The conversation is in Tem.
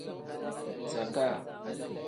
Zakaa.